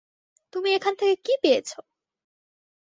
তুমি এখান থেকে কি পেয়েছো?